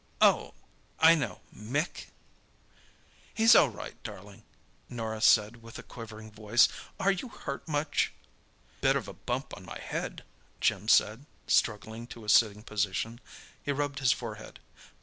"Oh, I know.... Mick?" "He's all right, darling," Norah said, with a quivering voice. "Are you hurt much?" "Bit of a bump on my head," Jim said, struggling to a sitting position. He rubbed his forehead.